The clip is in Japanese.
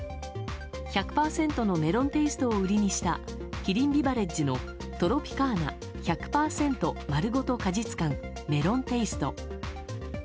１００％のメロンテイストを売りにした、キリンビバレッジのトロピカーナ１００％まるごと果実感メロンテイスト。